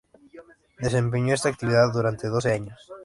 Desempeñó esta actividad durante doce años.